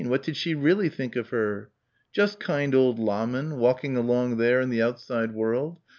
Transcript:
What did she really think of her? Just kind old Lahmann walking along there in the outside world....